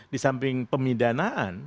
di samping pemidanaan